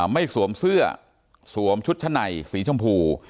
ไม่สวมเสื้อสวมชุดชะไหนสีชมพู